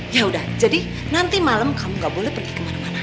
yaudah jadi nanti malem kamu gak boleh pergi kemana mana